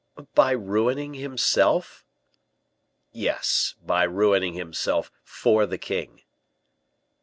"By ruining himself?" "Yes, by ruining himself for the king."